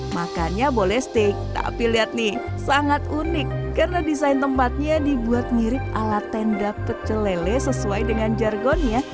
makannya boleh steak tapi lihat nih sangat unik karena desain tempatnya dibuat mirip ala tenda pecelele sesuai dengan jargonnya